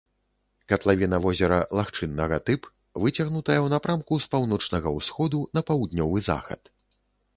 Катлавіна возера лагчыннага тып, выцягнутая ў напрамку з паўночнага ўсходу на паўднёвы захад.